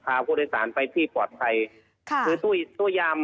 ก็อาศัยว่ามันไม่ตื่นเต้นนะครับ